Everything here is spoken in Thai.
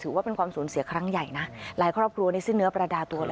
ว่าเป็นความสูญเสียครั้งใหญ่นะหลายครอบครัวในสิ้นเนื้อประดาตัวเลย